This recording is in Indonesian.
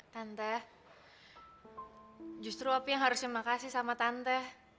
tante justru opi yang harus terima kasih sama tante